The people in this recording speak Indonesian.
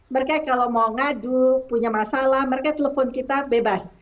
mereka kalau mau ngadu punya masalah mereka telepon kita bebas